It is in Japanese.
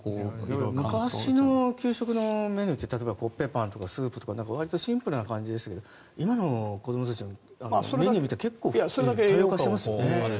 昔の給食のメニューってコッペパンとかスープってわりとシンプルな感じでしたけど今の子どもたちのメニューって結構多様化してますよね。